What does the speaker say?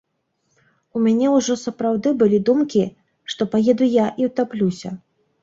У мяне ўжо сапраўды былі думкі, што паеду я і ўтаплюся.